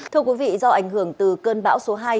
thưa quý vị do ảnh hưởng từ cơn bão số hai